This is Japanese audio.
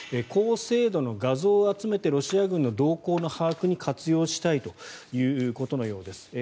高精度の画像を集めてロシア軍の動向の把握に活用したいということのようです。